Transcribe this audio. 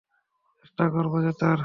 চেষ্টা করবো জেতার।